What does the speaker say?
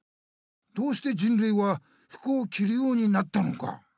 どうして人類は服をきるようになったのか。